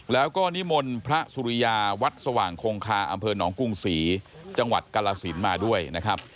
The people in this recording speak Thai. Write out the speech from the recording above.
แล้วก็นิมนต์พระสุริยาวัดสว่างคงคาอำเภอหนองกรุงศรีจังหวัดกาลสินมาด้วยนะครับ